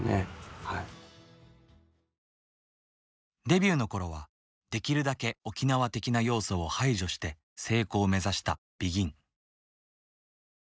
デビューの頃はできるだけ沖縄的な要素を排除して成功を目指したＢＥＧＩＮ。